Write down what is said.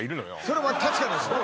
それは確かなんですね